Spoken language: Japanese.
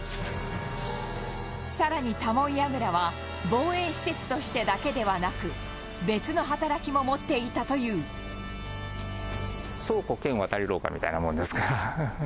更に、多聞櫓は防衛施設としてだけではなく別の働きも持っていたという倉庫、兼、渡り廊下みたいなものですから。